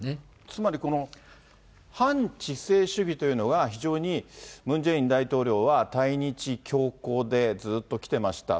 つまりこの反知性主義というのは、非常にムン・ジェイン大統領は、対日強硬でずっときてました。